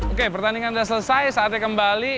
oke pertandingan sudah selesai saatnya kembali